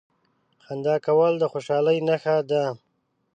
• خندا کول د خوشالۍ نښه ده.